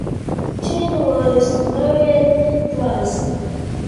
Cheng was married twice.